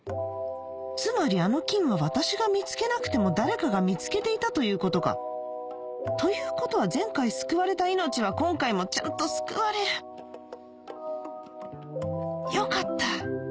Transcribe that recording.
つまりあの菌は私が見つけなくても誰かが見つけていたということかということは前回救われた命は今回もちゃんと救われるよかった！